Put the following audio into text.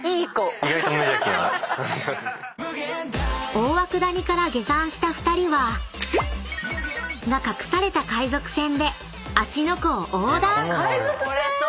［大涌谷から下山した２人はが隠された海賊船で芦ノ湖を横断！］